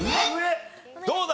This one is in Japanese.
どうだ？